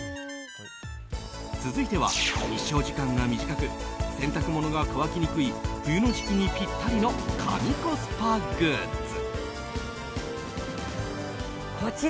続いては、日照時間が短く洗濯物が乾きにくい冬の時期にぴったりの神コスパグッズ。